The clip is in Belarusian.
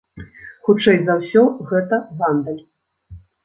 Хутчэй за ўсё, гэта гандаль.